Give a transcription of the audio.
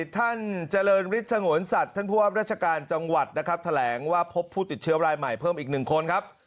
ท่านเจริญฤทธิสงวนสัตว์ท่านผู้ว่าราชการจังหวัดนะครับแถลงว่าพบผู้ติดเชื้อรายใหม่เพิ่มอีกหนึ่งคนครับ